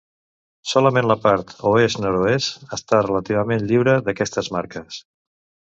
Solament la part oest-nord-oest està relativament lliure d'aquestes marques.